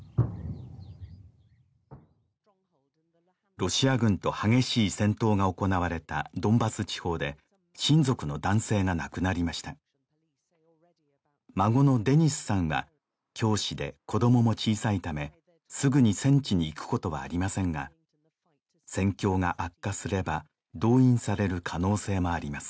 ロシア軍と激しい戦闘が行われたドンバス地方で親族の男性が亡くなりました孫のデニスさんは教師で子供も小さいためすぐに戦地に行くことはありませんが戦況が悪化すれば動員される可能性もあります